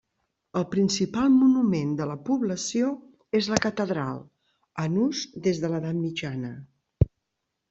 El principal monument de la població és la catedral, en ús des de l'edat mitjana.